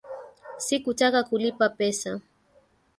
Sikutaka kulipa pesa.